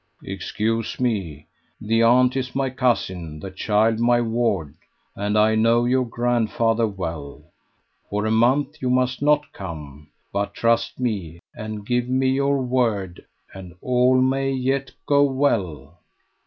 "Excuse me. The aunt is my cousin, the child my ward, and I know your grandfather well. For a month you must not come, but trust me and give me your word, and all may yet go well."